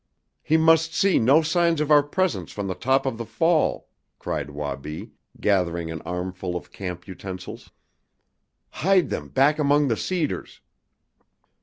"He must see no signs of our presence from the top of the fall!" cried Wabi, gathering an armful of camp utensils. "Hide them back among the cedars!"